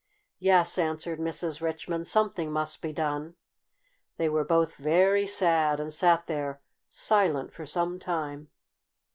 "Yes," answered Mrs. Richmond. "Something must be done." They were both very sad, and sat there silent for some time.